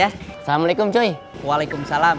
assalamualaikum cuy waalaikumsalam